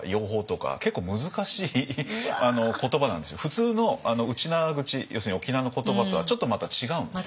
普通のウチナーグチ要するに沖縄の言葉とはちょっとまた違うんですね。